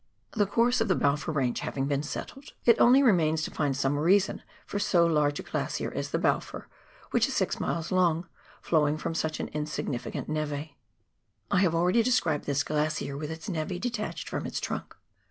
The course of the Balfour Range having been settled, it only COOK EIVER AND ANCIENT GLACIERS. 153 remains to find some reason for so large a glacier as the Bal four, which is six miles long, flowing from such an insignificant neve. I have already described this glacier with its nei e detached from its trunk.